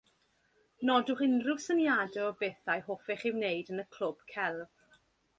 Nodwch unrhyw syniadau o bethau hoffech ei wneud yn y clwb celf